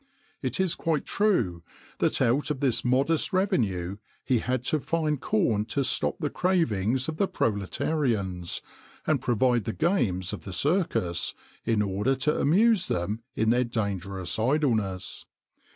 It is quite true that out of this modest revenue he had to find corn to stop the cravings of the proletarians, and provide the games of the Circus, in order to amuse them in their dangerous idleness.